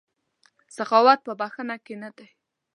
سخاوت په بښنه کې نه دی.